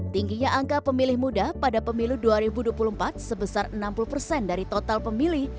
tingginya angka pemilih muda pada pemilu dua ribu dua puluh empat sebesar enam puluh persen dari total pemilih